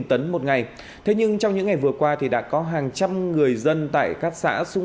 tấn một ngày thế nhưng trong những ngày vừa qua thì đã có hàng trăm người dân tại các xã xung